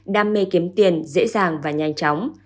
đam mê kiếm tiền dễ dàng và nhanh chóng